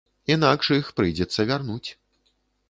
Інакш іх прыйдзецца вярнуць.